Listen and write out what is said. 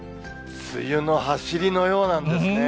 梅雨のはしりのようなんですね。